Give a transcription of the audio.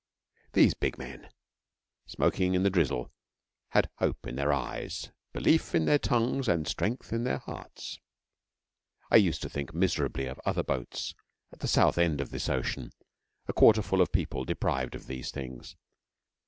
These big men, smoking in the drizzle, had hope in their eyes, belief in their tongues, and strength in their hearts. I used to think miserably of other boats at the South end of this ocean a quarter full of people deprived of these things.